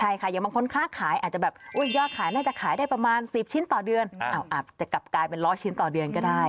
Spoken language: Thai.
ใช่ค่ะอย่างบางคนค้าขายอาจจะแบบยอดขายน่าจะขายได้ประมาณ๑๐ชิ้นต่อเดือนอาจจะกลับกลายเป็นร้อยชิ้นต่อเดือนก็ได้